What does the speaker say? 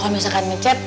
kalau misalkan ngechat